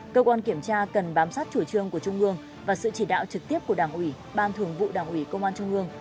cơ quan kiểm tra cần bám sát chủ trương của trung ương và sự chỉ đạo trực tiếp của đảng ủy ban thường vụ đảng ủy công an trung ương